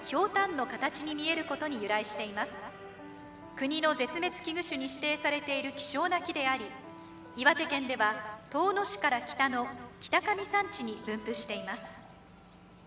国の絶滅危惧種に指定されている希少な木であり岩手県では遠野市から北の北上山地に分布しています。